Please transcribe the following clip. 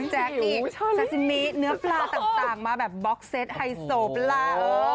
แจ๊กอีกเสชามีเนื้อปลาต่างมาแบบบล็อคเซ็ตไฮโซปล่า